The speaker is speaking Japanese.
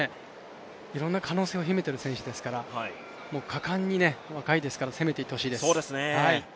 いろんな可能性を秘めている選手ですから果敢に、若いですから攻めていってほしいです。